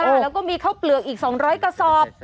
แล้วก็มีข้าวเปลือกอีก๒๐๐กระสอบ